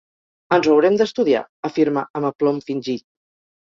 Ens ho haurem d'estudiar —afirma amb aplom fingit—.